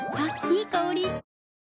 いい香り。